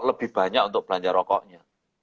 lebih banyak untuk belanja rokoknya